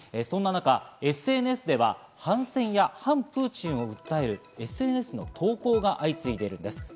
そんな中、ＳＮＳでは反戦や反プーチンを訴えるＳＮＳの投稿が相次いでいます。